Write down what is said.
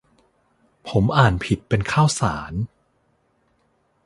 ผมอ่านผิดเป็นข้าวสาร